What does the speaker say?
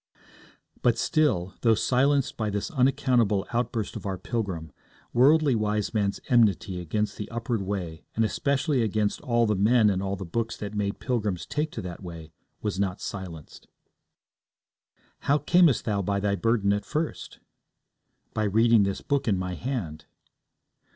But still, though silenced by this unaccountable outburst of our pilgrim, Worldly Wiseman's enmity against the upward way, and especially against all the men and all the books that made pilgrims take to that way, was not silenced. 'How camest thou by thy burden at first?' By reading this Book in my hand.'